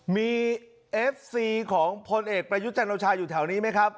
มีเอฟซีของพลเอกประยุทธ์จันโอชาอยู่แถวนี้ไหมครับ